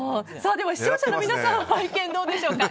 では視聴者の皆さんの意見はどうでしょうか。